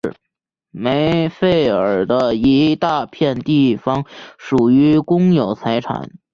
梅费尔的一大片地方属于公有财产。